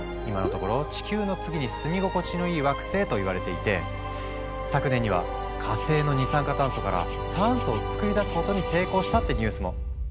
今のところ「地球の次に住み心地のいい惑星」といわれていて昨年には火星の二酸化炭素から酸素を作り出すことに成功したってニュースも。